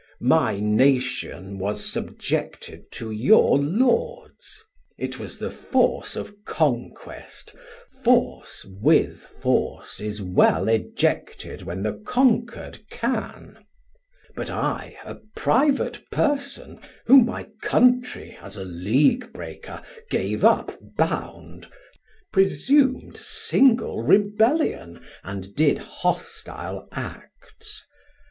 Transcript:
My Nation was subjected to your Lords. It was the force of Conquest; force with force Is well ejected when the Conquer'd can. But I a private person, whom my Countrey As a league breaker gave up bound, presum'd Single Rebellion and did Hostile Acts.